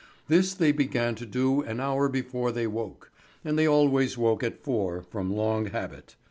This they began to do an hour before they woke, and they always woke at four, from long habit.